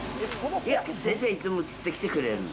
いや、先生いつも釣ってきてくれるの。